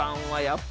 はい。